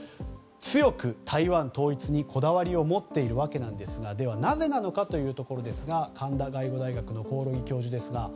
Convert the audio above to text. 強く台湾統一にこだわりを持っていますがでは、なぜなのかというところですが神田外語大学の興梠教授です。